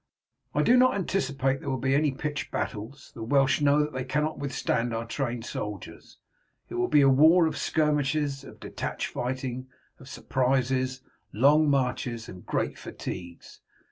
"I do not anticipate there will be any pitched battles; the Welsh know that they cannot withstand our trained soldiers. It will be a war of skirmishes, of detached fighting, of surprises, long marches, and great fatigues.